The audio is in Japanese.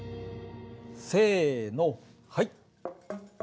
せのはい！